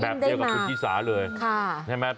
แบบเดียวกับทุกทีศาเลยใช่ไหมครับ